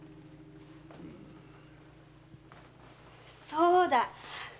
そうだ！